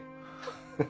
ハハハ